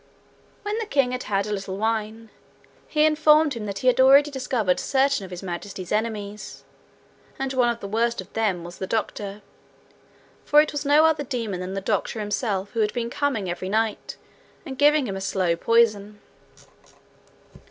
When the king had had a little wine, he informed him that he had already discovered certain of His Majesty's enemies, and one of the worst of them was the doctor, for it was no other demon than the doctor himself who had been coming every night, and giving him a slow poison.